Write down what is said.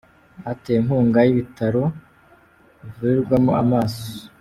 Batewe inkunga y’ibitaro bivurirwamo amaso